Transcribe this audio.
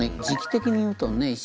時期的に言うとね